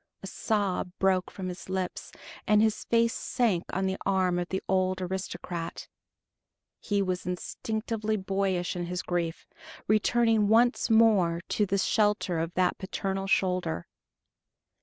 A sob broke from his lips, and his face sank on the arm of the old aristocrat, he was instinctively boyish in his grief, returning once more to the shelter of that paternal shoulder.